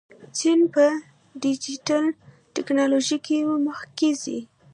چین په ډیجیټل تکنالوژۍ کې مخکښ دی.